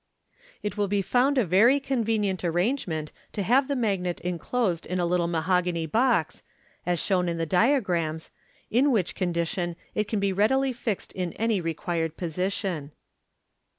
It will be found a very convenient arrangement to have the magnet enclosed in a little mahogany box, as shown in the diagrams, in which condition it can readily be fixed in any required position.